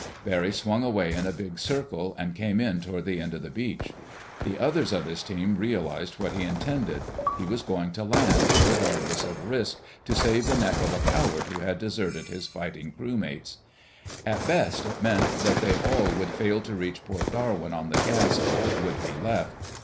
Barry swung away in a big circle and came in toward the end of the beach. The others of his team realized what he intended; he was going to land, regardless of risk, to save the neck of a coward who had deserted his fighting crew mates. At best it meant that they all would fail to reach Port Darwin on the gas that would be left.